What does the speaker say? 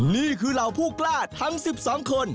นี่คือเหล่าผู้กล้าทั้ง๑๒คน